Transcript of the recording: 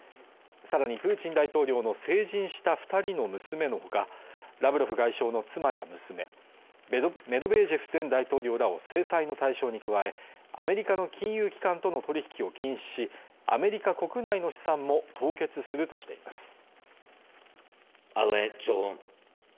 さらにプーチン大統領の成人した二人の娘のほかラブロフ外相の妻や娘メドベージェフ前大統領らを制裁の対象に加えアメリカの金融機関との取引を禁止しアメリカ国内の資産も凍結するとしています